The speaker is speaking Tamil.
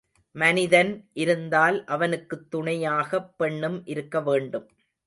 மனிதன் இருந்தால் அவனுக்குத் துணையாகப் பெண்ணும் இருக்க வேண்டும்.